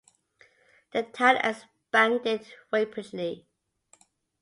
The town expanded rapidly.